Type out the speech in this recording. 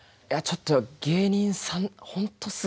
いやちょっと芸人さん本当